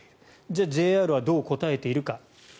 じゃあＪＲはどう答えているか。